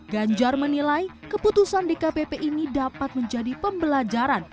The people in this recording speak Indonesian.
ganjar menilai keputusan dkpp ini dapat menjadi pembelajaran